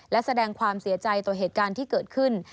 และแสดงความเสียใจต่อเหตุการณ์ที่เกิดขึ้น